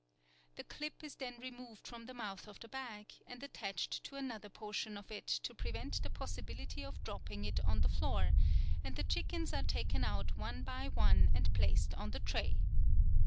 The clip is then removed from the mouth of the bag, and attached to another portion of it to prevent the possibility of dropping it on the floor; and the chickens are taken out one by one and placed on the tray.